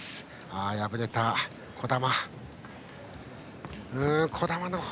敗れた児玉の姿。